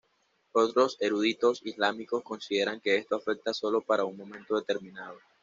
Otros eruditos islámicos consideran que esto afecta sólo para un momento determinado.